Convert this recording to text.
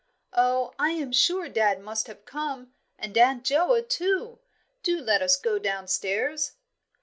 "Oh, I am sure dad must have come, and Aunt Joa, too. Do let us go downstairs."